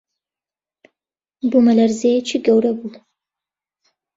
بوومەلەرزەیێکی گەورە بوو